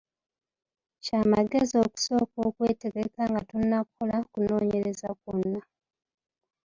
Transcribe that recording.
Kya magezi okusooka okwetegeka nga tonnakola kunoonyereza kwonna.